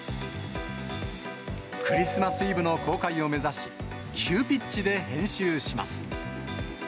クリスマスイブの公開を目指し、急ピッチで編集します。